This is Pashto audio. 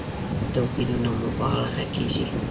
توپيرونو مبالغه کېږي.